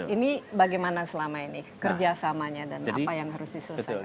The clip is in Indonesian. ini bagaimana selama ini kerjasamanya dan apa yang harus diselesaikan